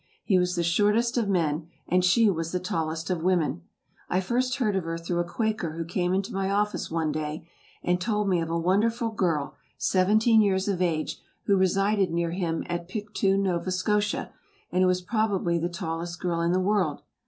He was the shortest of men and she was the tallest of women. I first heard of her through a quaker who came into my office one day and told me of a wonderful girl, seventeen years of age, who resided near him at Pictou, Nova Scotia, and who was probably the tallest girl in the world.